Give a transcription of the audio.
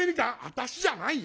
「私じゃないよ！